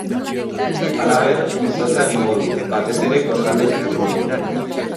Halaber, itzotza egingo du, batez ere kostaldetik urrun.